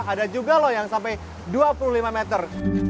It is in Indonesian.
ada juga loh yang sampai dua puluh lima meter